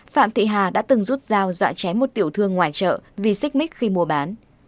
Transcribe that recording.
phạm thị hà đã từng rút dao dọa chém một tiểu thương ngoài chợ vì xích mích khi mua bán